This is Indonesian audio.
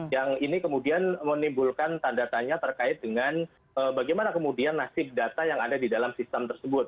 yang ini kemudian menimbulkan tanda tanya terkait dengan bagaimana kemudian nasib data yang ada di dalam sistem tersebut